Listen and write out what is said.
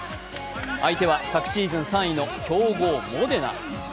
相手は昨シーズン３位の強豪モデナ。